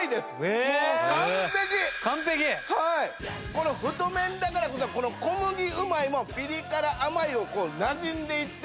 この太麺だからこそこの小麦うまいもピリ辛甘いをこうなじんでいってますし。